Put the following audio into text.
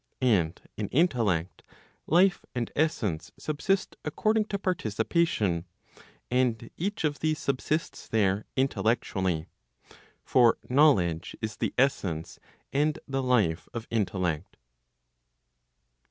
And in intellect, life and essence subsist according to participation, and each of these subsists there intellectually. For knowledge is the essence and the life of intellect.